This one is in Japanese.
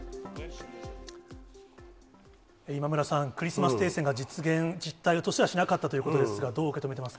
今村さん、クリスマス停戦が実現、実態としては、しなかったということですが、どう受け止めてます